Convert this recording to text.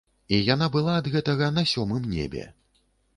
І яна была ад гэтага на сёмым небе.